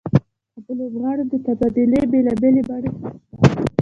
او لوبغاړو د تبادلې بېلابېلې بڼې هم شته